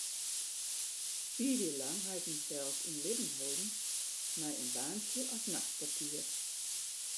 Fiif jier lang ha ik mysels yn libben holden mei in baantsje as nachtportier.